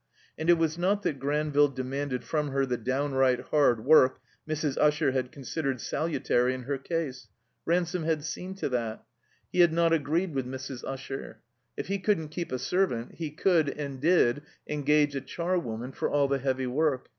And it was not that Granville demanded from her the downright hard work Mrs. Usher had considered salutary in her case. Ransome had seen to that. 144 THE COMBINED MAZE He had not agreed with Mrs. Usher. If he couldn't keep a servant, he could, and did, engage a char woman for all the heavy work.